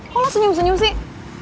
kok lo senyum senyum sih